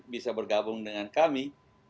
bisa bergabung dengan kami